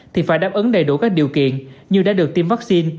thì phải đáp ứng đầy đủ các điều kiện như đã được tiêm vaccine